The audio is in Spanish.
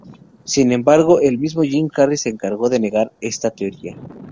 Sin embargo, el mismo Jim Carrey se encargó de negar esta teoría.